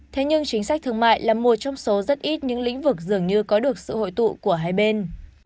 thế nhưng chính sách thương mại là một trong số rất ít những lĩnh vực dường như có được sự hội tụ của hai bên